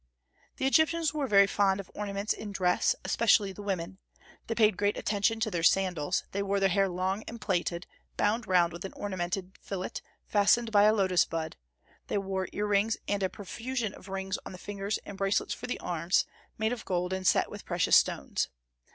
The Egyptians were very fond of ornaments in dress, especially the women. They paid great attention to their sandals; they wore their hair long and plaited, bound round with an ornamented fillet fastened by a lotus bud; they wore ear rings and a profusion of rings on the fingers and bracelets for the arms, made of gold and set with precious stones.